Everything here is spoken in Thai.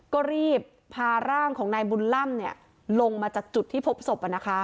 ก็รีบพาร่างของนายบุญล่ำลงมาจากจุดที่พบศพ